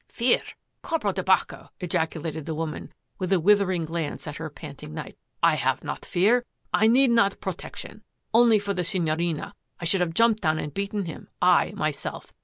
"Fear! Corpo di Baccof ejaculated the woman, with a withering glance at her panting knight, " I have not fear. I need not protection. Only for the Signorina, I should have jumped down and beaten him, I, myself.